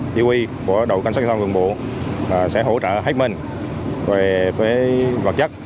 chí huy của đội cảnh sát giao thông vườn bộ sẽ hỗ trợ hết mình về vật chất